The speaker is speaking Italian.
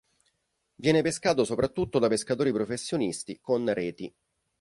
Viene pescato soprattutto da pescatori professionisti con reti.